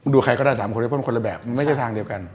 ดูใครก็ได้๓คนแต่มันคนละแบบมันไม่ใช่ทางเดียวกัน